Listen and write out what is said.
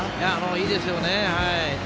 いいですよね。